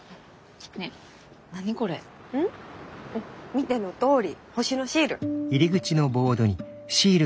見てのとおり星のシール。